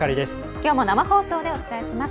きょうも生放送でお伝えします。